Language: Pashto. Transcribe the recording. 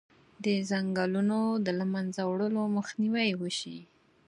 د ځنګلونو د له منځه وړلو مخنیوی وشي.